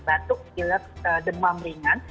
batuk lek demam ringan